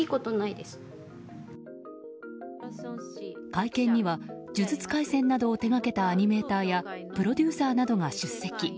会見には「呪術廻戦」などを手掛けたアニメーターやプロデューサーなどが出席。